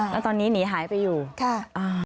แล้วตอนนี้หนีหายไปอยู่ค่ะอ่า